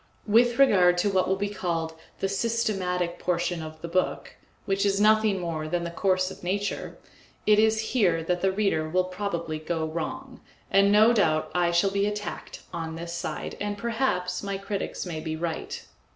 With regard to what will be called the systematic portion of the book, which is nothing more than the course of nature, it is here that the reader will probably go wrong, and no doubt I shall be attacked on this side, and perhaps my critics may be right.